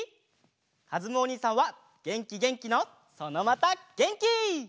かずむおにいさんはげんきげんきのそのまたげんき！